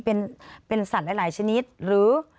เป็นสัตว์หลายชนิดหรือ